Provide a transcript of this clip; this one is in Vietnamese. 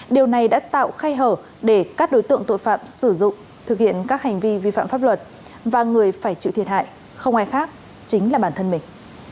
điều này đã tạo khay hở để các đối tượng tội phạm sử dụng thực hiện các hành vi vi phạm pháp luật và người phải chịu thiệt hại không ai khác chính là bản thân mình